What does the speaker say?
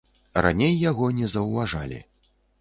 Раней яго не заўважалі.